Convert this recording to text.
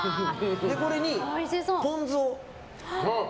これにポン酢を。